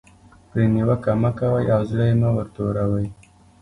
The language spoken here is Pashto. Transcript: پرې نیوکه مه کوئ او زړه یې مه ور توروئ.